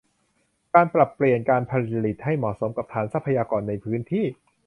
การปรับเปลี่ยนการผลิตให้เหมาะสมกับฐานทรัพยากรในพื้นที่